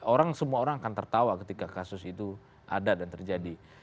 orang semua orang akan tertawa ketika kasus itu ada dan terjadi